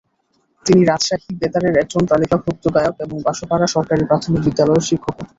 তিনি রাজশাহী বেতারের একজন তালিকাভুক্ত গায়ক এবং বাসুপাড়া সরকারি প্রাথমিক বিদ্যালয়ের শিক্ষকও।